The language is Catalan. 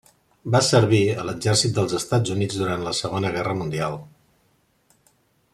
Va servir a l'exèrcit dels Estats Units durant la Segona Guerra Mundial.